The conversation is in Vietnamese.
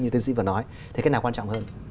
thế cái nào quan trọng hơn